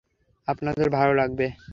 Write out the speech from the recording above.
আপনাদের ভালো লাগবে।